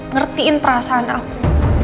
ngertiin perasaan aku